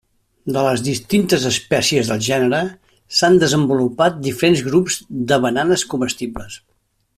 De les distintes espècies del gènere s'han desenvolupat diferents grups de bananes comestibles.